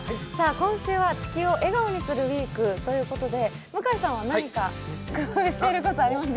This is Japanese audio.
今週は「地球を笑顔にするＷＥＥＫ」ということで、向井さんは、何か工夫してることありますか？